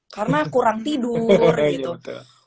karena kurang tidur gitu